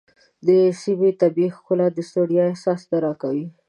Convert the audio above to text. د سیمې طبیعي ښکلا د ستړیا احساس نه راکاوه.